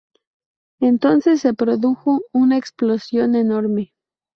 Entonces se produjo una explosión enorme.